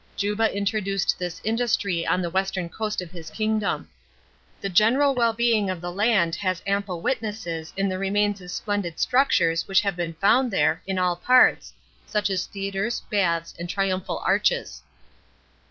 Juba introduced this industry on the western coast of his kingdom. The general wellbeiug of the land has ample witnesses in the remains of splendid structures which have been found there, in all parts, such as theatres, baths and trium phal arches.